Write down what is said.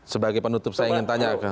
sebagai penutup saya ingin tanya